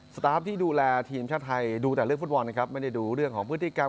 ตาฟที่ดูแลทีมชาติไทยดูแต่เรื่องฟุตบอลนะครับไม่ได้ดูเรื่องของพฤติกรรม